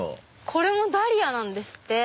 これもダリアなんですって。